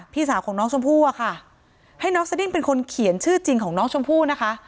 พี่สาวของน้องชมพู่อะค่ะให้น้องสดิ้งเป็นคนเขียนชื่อจริงของน้องชมพู่นะคะ